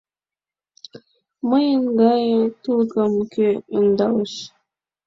Мыйын гае тулыкым кӧ ӧндалеш?